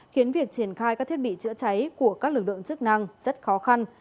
khiến việc triển khai các thiết bị chữa cháy của các lực lượng chức năng rất khó khăn